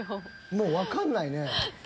もう分かんないね。